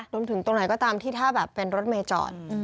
รวมถึงตรงไหนก็ตามที่ถ้าแบบเป็นรถเมจอด